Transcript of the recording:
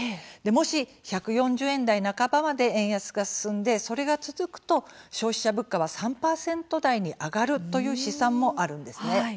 もし１４０円台半ばまで円安が進んで、それが続くと消費者物価は３％台に上がるという試算もあるんです。